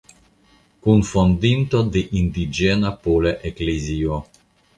Kunfondinto de Indiĝena Pola Eklezio.